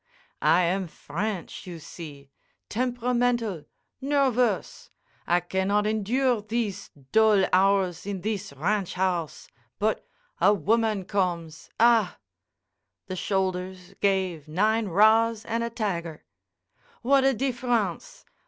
"I am French—you see—temperamental—nervous! I cannot endure thees dull hours in thees ranch house; but—a woman comes! Ah!" The shoulders gave nine 'rahs and a tiger. "What a difference!